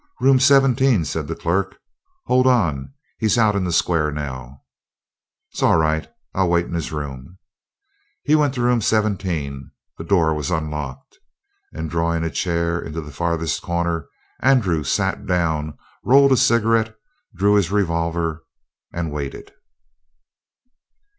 "Room seventeen," said the clerk. "Hold on. He's out in the square now." "'S all right. I'll wait in his room." He went to room seventeen. The door was unlocked. And drawing a chair into the farthest corner, Andrew sat down, rolled a cigarette, drew his revolver, and waited.